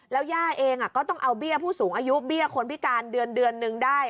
แล้วย่าเองก็ต้องเอาเบี้ยผู้สูงอายุเบี้ยคนพิการเดือนนึงได้